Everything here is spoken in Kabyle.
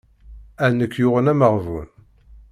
A nekk yuɣen ameɣbun.